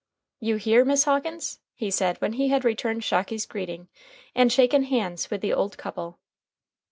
"You here, Miss Hawkins?" he said when he had returned Shocky's greeting and shaken hands with the old couple.